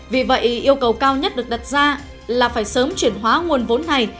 vì vậy yêu cầu cao nhất được đặt ra là phải sớm chuyển hóa nguồn vốn này